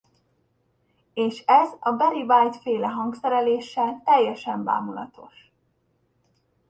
És ez a Barry White féle hangszereléssel teljesen bámulatos.